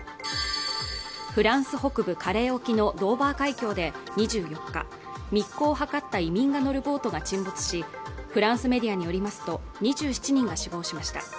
フランス北部カレー沖のドーバー海峡で２４日密航を図った移民が乗るボートが沈没しフランスメディアによりますと２７人が死亡しました